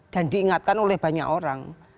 dan diingatkan oleh banyak orang